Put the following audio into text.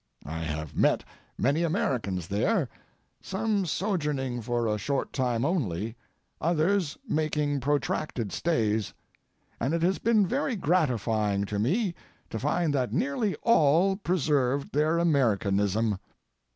I have met many Americans there, some sojourning for a short time only, others making protracted stays, and it has been very gratifying to me to find that nearly all preserved their Americanism.